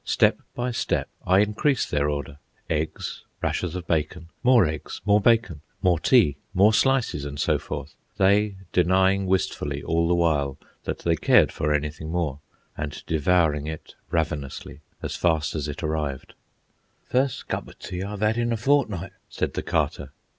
Step by step I increased their order—eggs, rashers of bacon, more eggs, more bacon, more tea, more slices and so forth—they denying wistfully all the while that they cared for anything more, and devouring it ravenously as fast as it arrived. "First cup o' tea I've 'ad in a fortnight," said the Carter.